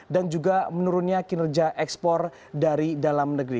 dan juga menurunnya kinerja ekspor dari dalam negeri